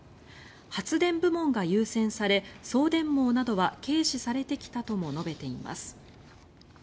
発電部門が優先され送電網などは軽視されてきたとも述べています。